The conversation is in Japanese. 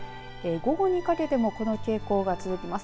午後にかけてもこの傾向が続きます。